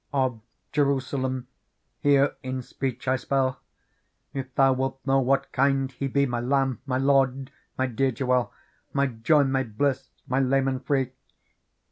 " Of Jerusalem here in speech I spell. If thou wilt know what kind He be, My Lamb, my Lord, my dear Jewel, My joy, my bliss, my leman free.